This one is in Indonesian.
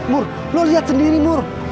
mur lu lihat sendiri mur